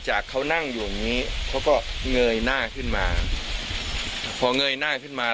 จากเขานั่งอยู่อย่างงี้เขาก็เงยหน้าขึ้นมาพอเงยหน้าขึ้นมา